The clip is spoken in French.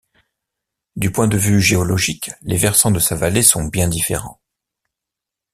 Du point de vue géologique les versants de sa vallée sont bien différents.